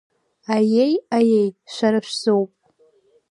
Аиеи, аиеи, шәара шәзоуп!